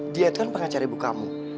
dia itu kan pengacara ibu kamu